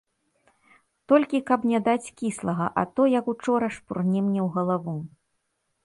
Толькі каб не даць кіслага, а то, як учора, шпурне мне ў галаву.